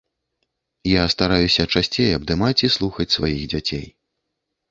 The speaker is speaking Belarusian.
Я стараюся часцей абдымаць і слухаць сваіх дзяцей.